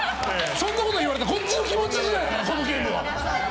そんなこと言われてこっちの気持ち次第だからこのゲームは。